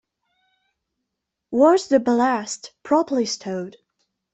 Was the ballast properly stowed?